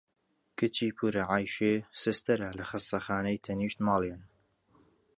کچی پوورە عەیشێ سستەرە لە خەستانەی تەنیشت ماڵیان.